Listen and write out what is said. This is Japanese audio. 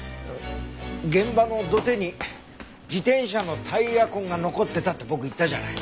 現場の土手に自転車のタイヤ痕が残ってたって僕言ったじゃない。